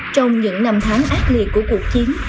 trong những năm tháng ác liệt của cuộc chiến